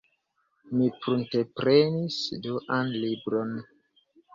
Mi prunteprenis duan libron.